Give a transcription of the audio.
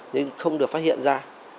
nhưng không được phát hiện ra